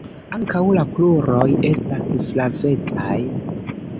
Ankaŭ la kruroj estas flavecaj.